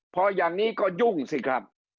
พออย่างนี้ก็ยุ่งสิครับ